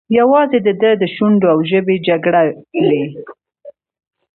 یوازې د ده د شونډو او ژبې جګړه وه.